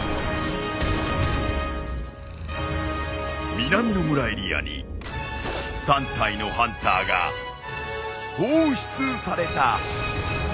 南の村エリアに３体のハンターが放出された。